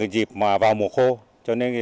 dịp vào mùa khô cho nên